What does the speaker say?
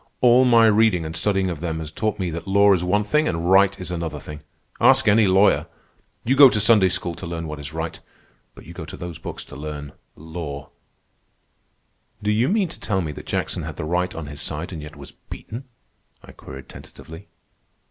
"All my reading and studying of them has taught me that law is one thing and right is another thing. Ask any lawyer. You go to Sunday school to learn what is right. But you go to those books to learn ... law." "Do you mean to tell me that Jackson had the right on his side and yet was beaten?" I queried tentatively.